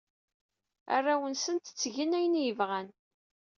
Arraw-nsent ttgen ayen ay bɣan.